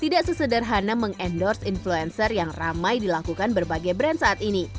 tidak sesederhana meng endorse influencer yang ramai dilakukan berbagai brand saat ini